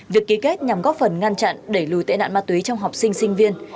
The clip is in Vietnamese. việc ký kết nhằm góp phần ngăn chặn đẩy lùi tệ nạn ma túy trong học sinh sinh viên